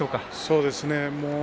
そうですね。